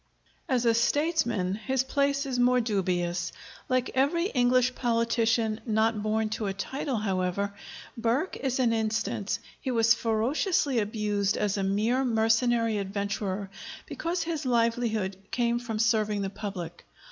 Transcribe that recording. As a statesman his place is more dubious. Like every English politician not born to a title, however, Burke is an instance, he was ferociously abused as a mere mercenary adventurer because his livelihood came from serving the public.